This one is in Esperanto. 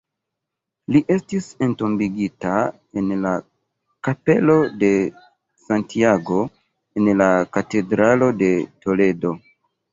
Li estis entombigita en la kapelo de Santiago, en la katedralo de Toledo.